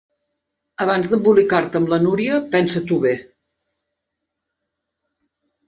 Abans d'embolicar-te amb la Núria, pensa-t'ho bé!